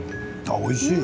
おいしい。